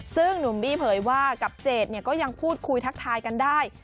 ซึ่งหนุ่มบี้เผยว่ากับเจดก็ยังพูดคุยทักทายกันได้